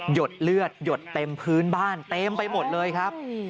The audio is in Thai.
ดเลือดหยดเต็มพื้นบ้านเต็มไปหมดเลยครับ